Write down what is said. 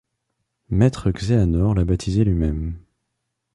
Maître Xehanort l'a baptisé lui-même.